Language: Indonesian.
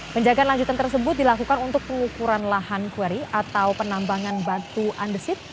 penjagaan lanjutan tersebut dilakukan untuk pengukuran lahan query atau penambangan batu andesit